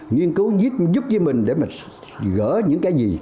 nghiên cứu giúp với mình để mà gỡ những cái gì